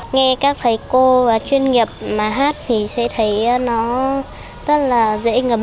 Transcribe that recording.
nghe các thầy cô và chuyên nghiệp mà hát thì sẽ thấy nó rất là dễ ngấm